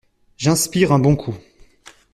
J’inspire un bon coup.